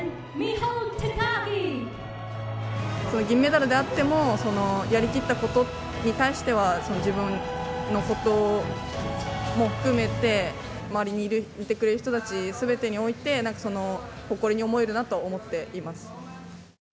銀メダルであってもやりきったことに対しては自分のことも含めて周りにいてくれる人たちすべてにおいて誇りに思えるなと思っています。